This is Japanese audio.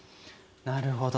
なるほどね。